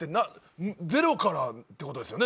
ゼロからということですよね。